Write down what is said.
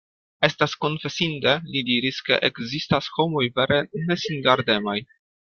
Estas konfesinde, li diris, ke ekzistas homoj vere nesingardemaj.